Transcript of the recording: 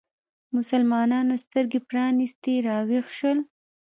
مسلمانانو سترګې پرانیستې راویښ شول